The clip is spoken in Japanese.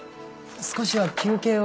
少しは休憩を。